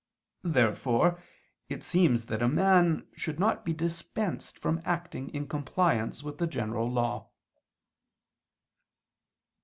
Therefore it seems that a man should not be dispensed from acting in compliance with the general law.